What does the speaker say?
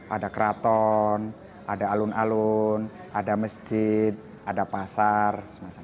ada keraton ada alun alun ada masjid ada pasar